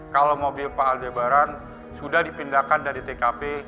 kalau mobil pak aldebaran sudah dipindahkan dari tkp